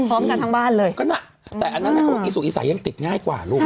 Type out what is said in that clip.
พร้อมกันทั้งบ้านเลยก็น่ะแต่อันนั้นเขาบอกอีสุอีสายังติดง่ายกว่าลูก